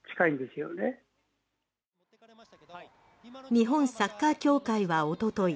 日本サッカー協会はおととい